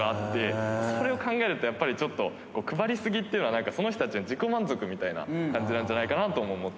それを考えるとちょっと、配り過ぎっていうのは、その人たちの自己満足な感じなんじゃないのかなと思って。